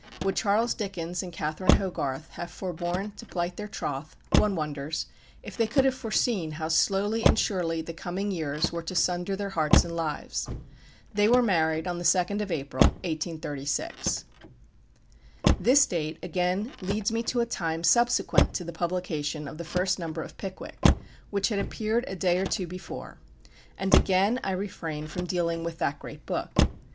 Would Charles Dickens and Catherine Hogarth have foreborne to plight their troth, one wonders, if they could have foreseen how slowly and surely the coming years were to sunder their hearts and lives? They were married on the 2nd of April, 1836. This date again leads me to a time subsequent to the publication of the first number of "Pickwick," which had appeared a day or two before; and again I refrain from dealing with that great book.